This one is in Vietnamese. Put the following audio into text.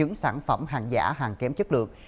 những sản phẩm hàng giả hàng kém chất lượng